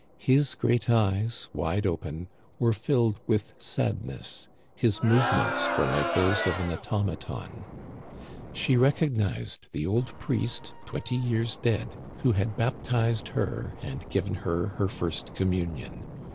His great eyes, wide open, were filled with sadness ; his movements were like those of an automaton. She rec ognized the old priest, twenty years dead, who had baptized her and given her her first communion.